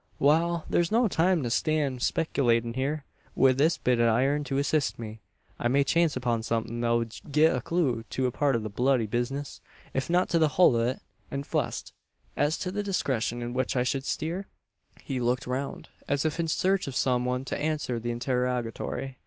"Wal there's no time to stan' speklatin' hyur. Wi' this bit o' iron to assiss me, I may chance upon somethin' thet'll gie a clue to a part o' the bloody bizness, ef not to the hul o' it; an fust, as to the direcshun in which I shed steer?" He looked round, as if in search of some one to answer the interrogatory.